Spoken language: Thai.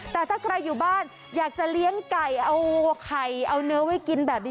แต่ถ้าใครอยู่บ้านอยากจะเลี้ยงไก่เอาไข่เอาเนื้อไว้กินแบบนี้